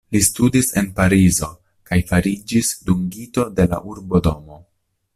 Li studis en Parizo kaj fariĝis dungito de la Urbodomo.